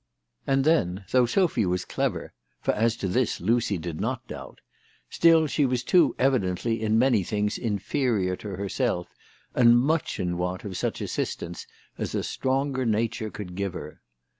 And then, though Sophy was clever, for as to this Lucy did not doubt,' still she was too evidently in many things inferior to herself, and much in want of such assistance as a stronger nature could give her.